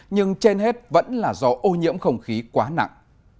nhưng trên hết vẫn là do ô nhiễm không khí quá nặng